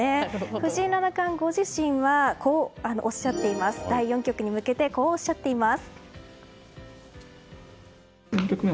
藤井七冠ご自身は第４局に向けてこうおっしゃっています。